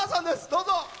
どうぞ。